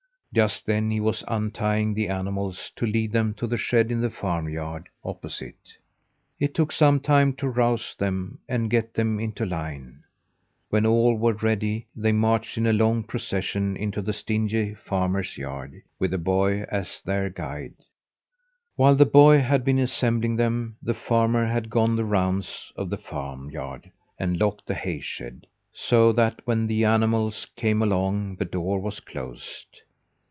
Just then he was untying the animals to lead them to the shed in the farm yard opposite. It took some time to rouse them and get them into line. When all were ready, they marched in a long procession into the stingy farmer's yard, with the boy as their guide. While the boy had been assembling them, the farmer had gone the rounds of the farm yard and locked the hay shed, so that when the animals came along the door was closed.